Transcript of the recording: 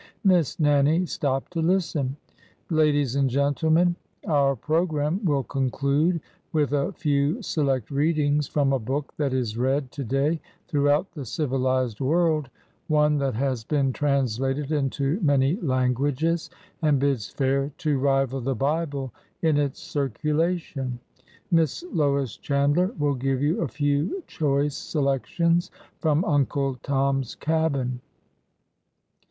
Miss Nannie stopped to listen. Ladies and gentlemen : Our program will conclude with a few select readings from a book that is read to day throughout the civilized world,— one that has been translated into many languages, and bids fair to rival the Bible in its circulation. Miss Lois Chandler will give you a few choice selections from ' Uncle Tom's Cabin!'"